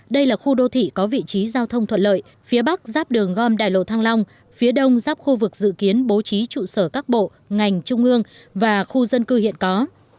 đây là khu đô thị có vị trí giao thông thuận lợi phía bắc giáp đường gom đại lộ thăng long phía đông giáp khu vực dự kiến bố trí trụ sở các bộ ngành trung ương và khu dân cư hiện có